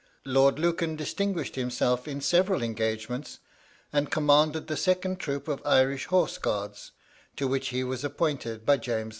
Lord Lucan distinguished himself in several engagements, and commanded the second troop of Irish Horse Guards, to which he was appointed by James II.